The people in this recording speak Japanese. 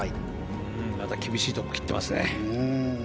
また厳しいところに切っていますね。